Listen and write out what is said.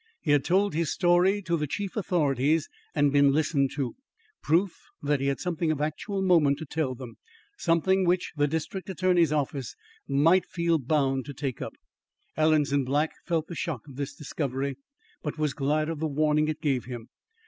He had told his story to the chief authorities and been listened to. Proof that he had something of actual moment to tell them; something which the District Attorney's office might feel bound to take up. Alanson Black felt the shock of this discovery, but was glad of the warning it gave him.